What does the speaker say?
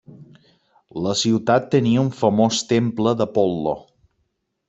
La ciutat tenia un famós temple d'Apol·lo.